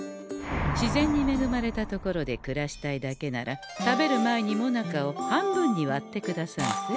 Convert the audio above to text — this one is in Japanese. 自然にめぐまれた所で暮らしたいだけなら食べる前にもなかを半分に割ってくださんせ。